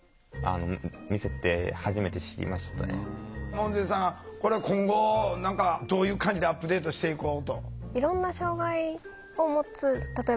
門前さんこれ今後何かどういう感じでアップデートしていこうと？